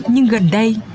nhưng gần đây